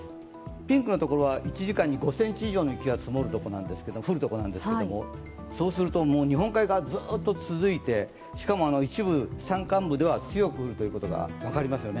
ピンクのところは１時間に５ｃｍ以上の雪が降るところなんですけど、そうすると、日本海側はずっと続いて、一部、山間部では強く降るということが分かりますよね。